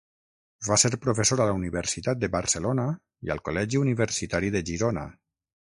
Va ser professor a la Universitat de Barcelona i al Col·legi Universitari de Girona.